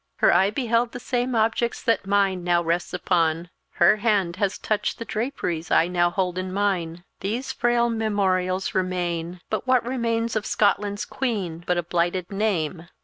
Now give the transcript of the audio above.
Her eye beheld the same objects that mine now rests upon; her hand has touched the draperies I now hold in mine. These frail memorials remain; but what remains of Scotland's Queen but a blighted name!"